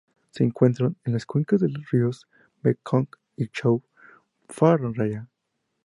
Se encuentran en las cuencas de los ríos Mekong y Chao Phraya.